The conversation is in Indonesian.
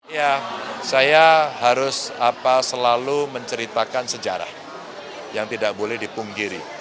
ya saya harus selalu menceritakan sejarah yang tidak boleh dipungkiri